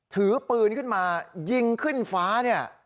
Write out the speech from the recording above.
ถือปืนขึ้นมายิงขึ้นฟ้าเนี่ย